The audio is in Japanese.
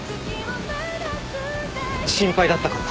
心配だったから。